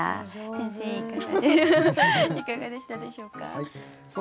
先生いかがでしたでしょうか？